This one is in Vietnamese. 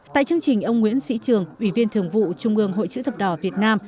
tại chương trình ông nguyễn sĩ trường ủy viên thường vụ trung ương hội chữ thập đỏ việt nam